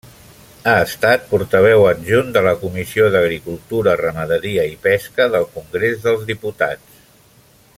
Ha estat portaveu adjunt de la Comissió d'Agricultura, Ramaderia i Pesca del Congrés dels Diputats.